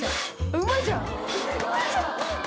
うまいじゃん！